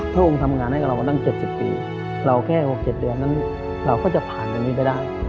พระองค์ทำงานให้กับเรามาตั้ง๗๐ปีเราแค่๖๗เดือนนั้นเราก็จะผ่านอันนี้ไปได้